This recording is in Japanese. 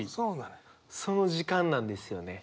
その時間なんですよね。